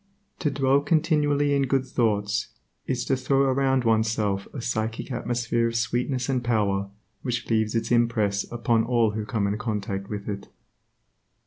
To dwell continually in good thoughts, is to throw around oneself a psychic atmosphere of sweetness and power which leaves its impress upon all who come in contact with it.